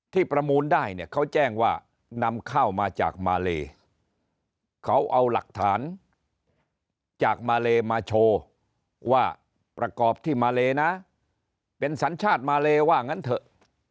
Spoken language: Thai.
ประมูลได้เนี่ยเขาแจ้งว่านำเข้ามาจากมาเลเขาเอาหลักฐานจากมาเลมาโชว์ว่าประกอบที่มาเลนะเป็นสัญชาติมาเลว่างั้นเถอะ